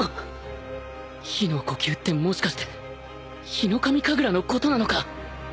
日の呼吸ってもしかしてヒノカミ神楽のことなのか？